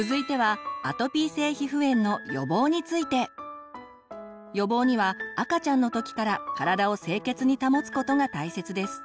続いては予防には赤ちゃんの時から体を清潔に保つことが大切です。